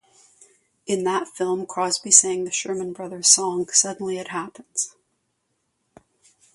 In that film, Crosbie sang the Sherman Brothers' song, "Suddenly It Happens".